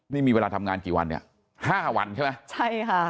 นี่มีเวลาทำงานกี่วันเนี่ยห้าวันใช่ไหมใช่ค่ะ